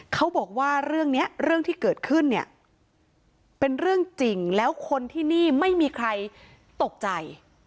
เขาบอกว่าเรื่องนี้เรื่องที่เกิดขึ้นเนี่ยเป็นเรื่องจริงแล้วคนที่นี่ไม่มีใครตกใจ